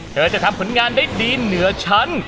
เธอจะทำผลงานได้ดีเหนือชั้น